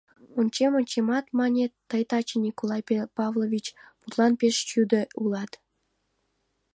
— Ончем-ончемат, — мане, — тый таче, Николай Павлович, мутлан пеш чӱдӧ улат.